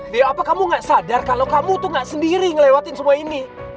dea apa kamu gak sadar kalau kamu tuh gak sendiri ngelewatin semua ini